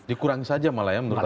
dikurangi saja malah ya menurut anda